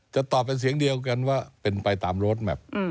จะตอบเป็นเสียงเดียวกันว่าเป็นไปตามโรดแมพ